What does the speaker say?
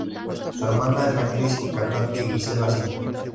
Su hermana es la actriz y cantante Gisela Cindy.